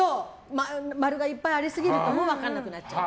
丸がいっぱいありすぎると分からなくなっちゃう。